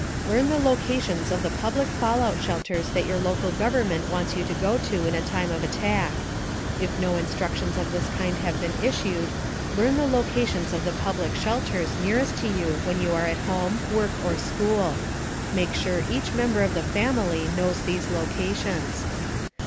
Learn the locations of the public fallout shelters that your local government wants you to go to in a time of attack. If no instructions of this kind have been issued, learn the locations of the public shelters nearest to you when you are at home, work, or school. Make sure each member of the family knows these locations.